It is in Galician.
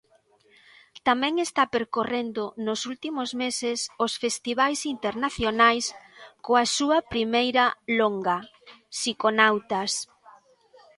Tamén está percorrendo nos últimos meses os festivais internacionais coa súa primeira longa, 'Psiconautas'.